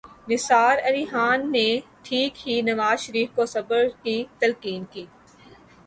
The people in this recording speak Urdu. نثار علی خان نے ٹھیک ہی نواز شریف کو صبر کی تلقین کی۔